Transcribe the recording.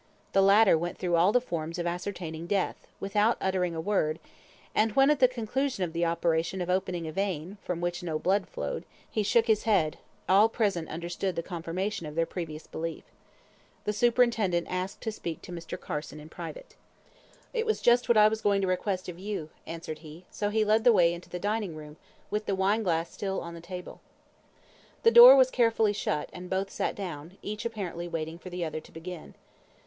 The latter went through all the forms of ascertaining death, without uttering a word, and when at the conclusion of the operation of opening a vein, from which no blood flowed, he shook his head, all present understood the confirmation of their previous belief. The superintendent asked to speak to Mr. Carson in private. "It was just what I was going to request of you," answered he; so he led the way into the dining room, with the wine glass still on the table. The door was carefully shut, and both sat down, each apparently waiting for the other to begin.